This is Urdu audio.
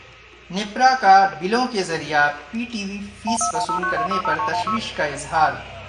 نیپرا کا بلوں کے ذریعے پی ٹی وی فیس وصول کرنے پر تشویش کا اظہار